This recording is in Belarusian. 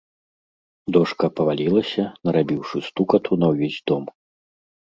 Дошка павалілася, нарабіўшы стукату на ўвесь дом.